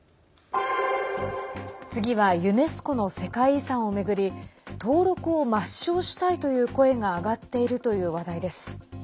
次はユネスコの世界遺産を巡り登録を抹消したいという声が上がっているという話題です。